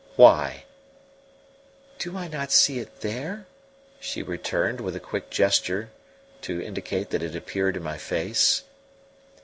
"Why?" "Do I not see it there?" she returned, with a quick gesture to indicate that it appeared in my face.